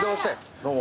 どうも。